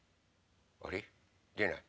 あれ？でない。